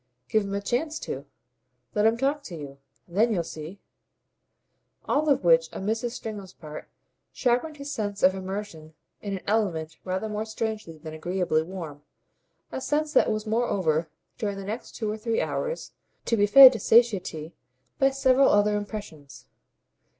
"Give him a chance to. Let him talk to you. Then you'll see." All of which, on Mrs. Stringham's part, sharpened his sense of immersion in an element rather more strangely than agreeably warm a sense that was moreover, during the next two or three hours, to be fed to satiety by several other impressions.